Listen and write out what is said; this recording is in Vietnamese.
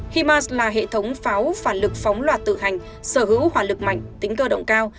himas là hệ thống pháo phản lực phóng loạt tự hành sở hữu hỏa lực mạnh tính cơ động cao